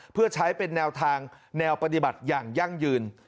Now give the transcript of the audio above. เพื่อใช้เป็นแนวทางแนวปฏิบัติอย่างยั่งยืน